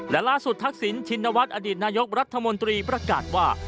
และล่าสุดทักษิณชินวัฒน์อดีตนายกรัฐมนตรีประกาศว่า